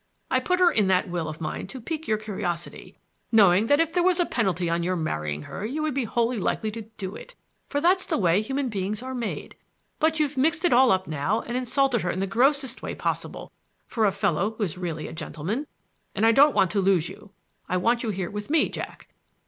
I put her in that will of mine to pique your curiosity, knowing that if there was a penalty on your marrying her you would be wholly likely to do it,—for that's the way human beings are made. But you've mixed it all up now, and insulted her in the grossest way possible for a fellow who is really a gentleman. And I don't want to lose you; I want you here with me, Jack!